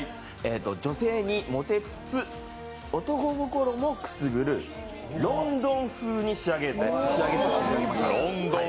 女性にモテつつ、男心もくすぐるロンドン風に仕上げさせていただきました。